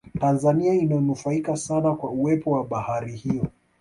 tanzania inanufaika sana kwa uwepo wa bahari hiyo